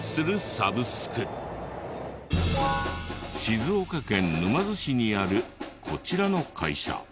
静岡県沼津市にあるこちらの会社。